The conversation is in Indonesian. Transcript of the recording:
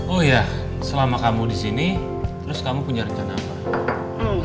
oh ya selama kamu di sini terus kamu punya rencana apa